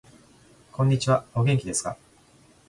こんにちは。お元気ですか。